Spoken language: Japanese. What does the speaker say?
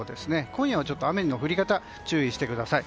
今夜は雨の降り方に注意してください。